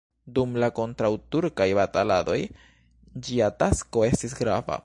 Dum la kontraŭturkaj bataladoj ĝia tasko estis grava.